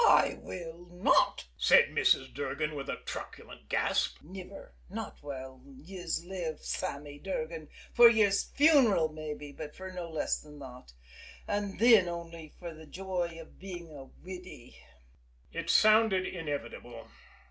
"I will not," said Mrs. Durgan, with a truculent gasp. "Niver! Not while yez live, Sammy Durgan fer yez funeral mabbe, but fer no less than thot, an' thin only fer the joy av bein' a widdy!" It sounded inevitable.